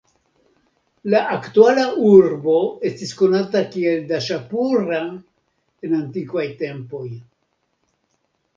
La aktuala urbo estis konata kiel Daŝapura en antikvaj tempoj.